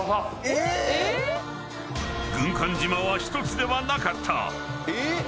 軍艦島は１つではなかった？